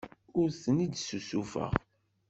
Ur ten-id-ssusufeɣ.